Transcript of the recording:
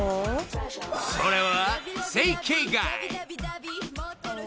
［それは］